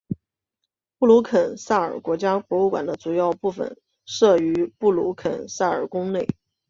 布鲁肯撒尔国家博物馆的主要部分设于布鲁肯撒尔宫内。